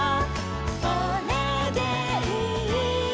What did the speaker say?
「それでいい」